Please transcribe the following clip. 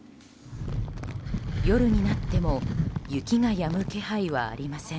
夜になっても雪がやむ気配はありません。